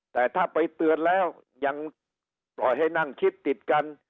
แต่ถ้าไปเตือนแล้วยังปล่อยให้นั่งคิดติดกัน